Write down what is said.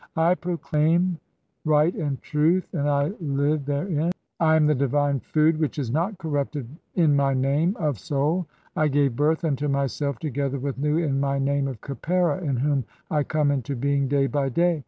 I proclaim right and truth, and I live therein. "I am the divine food, which is not corrupted in my name (4) of "Soul : I gave birth unto myself together with Nu in my name "of Khepera in whom I come into being day by day.